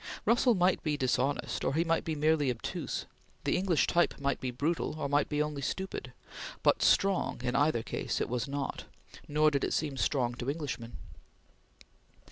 Russell might be dishonest or he might be merely obtuse the English type might be brutal or might be only stupid but strong, in either case, it was not, nor did it seem strong to Englishmen.